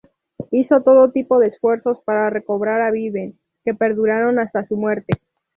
Hizo todo tipo de esfuerzos para recobrar a Vivien, que perduraron hasta su muerte.